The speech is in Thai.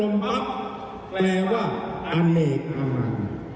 มหาศัพท์แปลว่าอเนกมัน